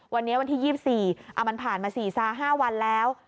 วันนี้วันที่๒๔มันผ่านมา๔๕วันแล้ว